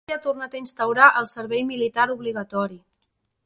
Suècia ha tornat a instaurar el servei militar obligatori.